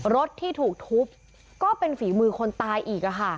รถที่ถูกทุบก็เป็นฝีมือคนตายอีก